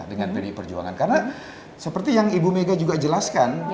dengan pdi perjuangan karena seperti yang ibu mega juga jelaskan